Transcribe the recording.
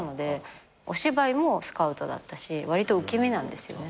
お芝居もスカウトだったしわりと受け身なんですよね。